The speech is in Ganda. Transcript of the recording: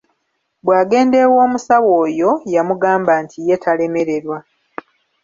Bwagenda ew’omusawo oyo yamugamba nti ye talemererwa.